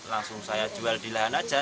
langsung saya jual di lahan saja